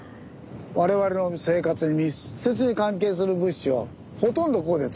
我々の生活に密接に関係する物資をほとんどここで。